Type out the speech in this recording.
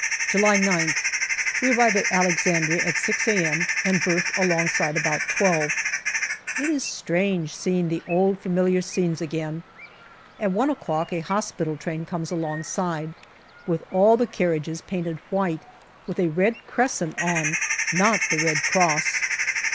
July 9th. We arrive at Alexandria at 6 a.m. and berth alongside about twelve. It is strange seeing the old familiar scenes again. At one o'clock a hospital train comes alongside, with all the carriages painted white with a Red Crescent 166 GALLIPOLI DIARY on, not the Red Cross.